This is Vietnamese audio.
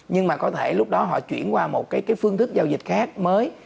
nhưng mà có thể lúc đó họ chuyển qua một cái phương thức giao dịch khác mới